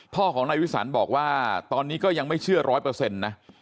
พ่อของนายวิสันบอกว่าตอนนี้ก็ยังไม่เชื่อร้อยเปอร์เซ็นต์นะ